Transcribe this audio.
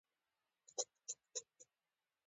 په افغانستان کې د سرحدونه منابع شته.